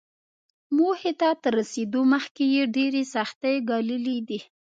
موخې ته تر رسېدو مخکې يې ډېرې سختۍ ګاللې دي.